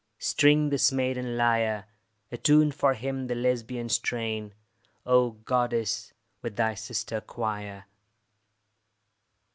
String this maiden lyre, Attune for him the Lesbian strain, O goddess, with thy sister quire!